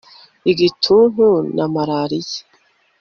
igituntu na malariya